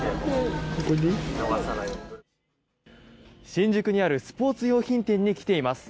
新宿にあるスポーツ用品店に来ています。